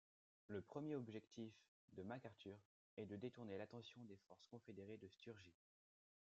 Le premier objectif de McArthur est de détourner l'attention des forces confédérées de Sturgis.